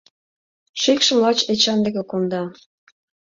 Шикшым лач Эчан деке конда.